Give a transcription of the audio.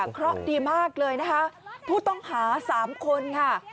เพราะดีมากเลยนะคะผู้ต้องหา๓คนค่ะ